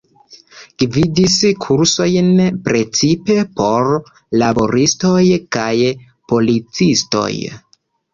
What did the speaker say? Gvidis kursojn precipe por laboristoj kaj policistoj.